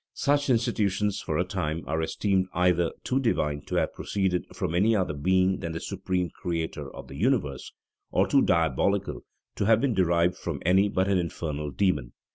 Such institutions, for a time, are esteemed either too divine to have proceeded from any other being than the Supreme Creator of the universe, or too diabolical to have been derived from any but an infernal demon.